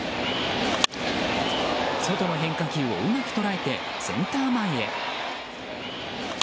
外の変化球をうまくとらえてセンター前へ。